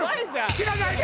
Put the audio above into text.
切らないで！」。